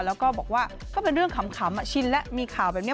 แล้วก็บอกว่าก็เป็นเรื่องขำชินแล้วมีข่าวแบบนี้